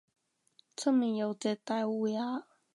出面有只大鴉烏